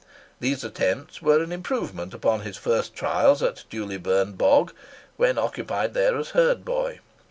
These attempts were an improvement upon his first trials at Dewley Burn bog, when occupied there as a herd boy.